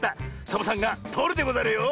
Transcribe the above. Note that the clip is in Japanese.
サボさんがとるでござるよ。